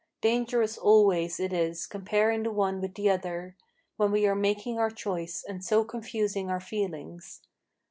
Dangerous always it is comparing the one with the other When we are making our choice, and so confusing our feelings.